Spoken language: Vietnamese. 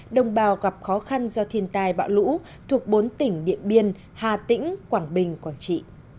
đồng bào gặp khó khăn do thiền tài bạo lũ thuộc bốn tỉnh địa biên hà tĩnh quảng bình quảng trị